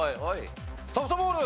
ソフトボール！